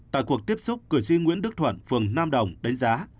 tại cuộc tiếp xúc cử tri nguyễn đức thuận phường nam đồng đánh giá